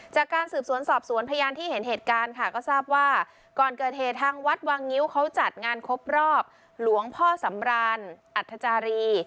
จากการสืบสวนสอบสวนพยานที่เห็นเหตุการณ์ค่ะก็ทราบว่าก่อนเกิดเหตุทางวัดวางงิ้วเขาจัดงานครบรอบหลวงพ่อสำรานอัธจารี